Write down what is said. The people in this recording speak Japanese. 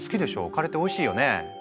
カレーっておいしいよね。